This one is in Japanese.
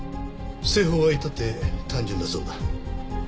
製法は至って単純だそうだ。